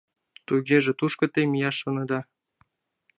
— Тугеже тушко те мияш шонеда?